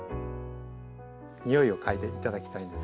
匂いを嗅いでいただきたいんですけど。